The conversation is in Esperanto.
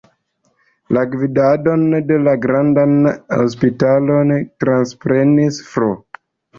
La gvidadon de la granada hospitalo transprenis Fr.